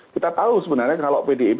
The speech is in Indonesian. kita tahu sebenarnya kalau pdip